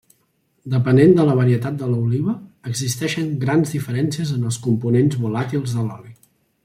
Depenent de la varietat de l'oliva, existeixen grans diferències en els components volàtils de l’oli.